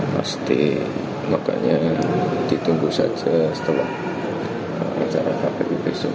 pasti makanya ditunggu saja setelah acara kpu besok